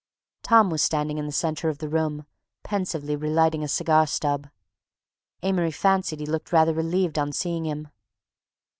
Tom was standing in the centre of the room, pensively relighting a cigar stub. Amory fancied he looked rather relieved on seeing him.